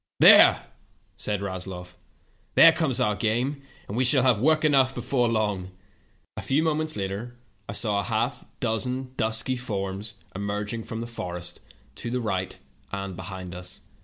" 'There,' said Rasloff; 'there comes our game, and we shall have work enough before long. ' "A few moments later I saw a half do^en dusky 164 THE TALKING HANDKEKCHIEF. forms emerging from the forest to the right and behind us.